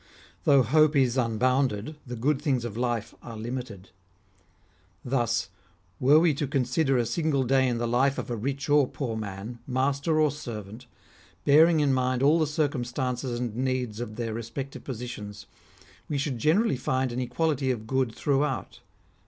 Though hope is unbounded, the good things of life are limited. Thus, were we to consider a single day in the life of a rich or poor man, master or servant, bearing in mind all the cir cumstances and needs of their respective positions, we should generally find an equality of good throughout.